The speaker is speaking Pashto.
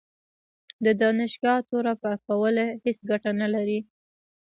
د دانشګاه توره پاکول هیڅ ګټه نه لري.